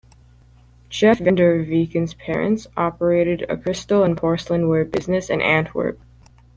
Jef Van der Veken's parents operated a crystal and porcelain ware business in Antwerp.